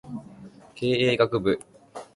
経営学部